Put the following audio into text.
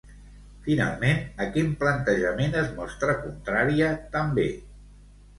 Finalment, a quin plantejament es mostra contrària també?